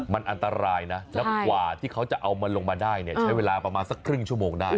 มันอันตรายนะแล้วกว่าที่เขาจะเอามันลงมาได้เนี่ยใช้เวลาประมาณสักครึ่งชั่วโมงได้